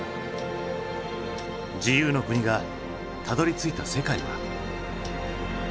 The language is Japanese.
自由の国がたどりついた世界は？